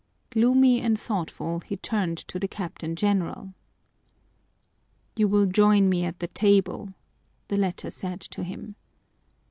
Gloomy and thoughtful, he turned to the Captain General. "You will join me at the table," the latter said to him.